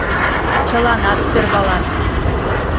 Чыланат сӧрвалат.